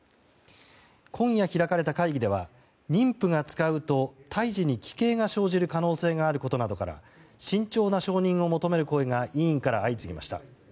今夜開かれた会議では妊婦が使うと胎児に奇形が生じる可能性があることなどから慎重な承認を求める声が委員から相次ぎました。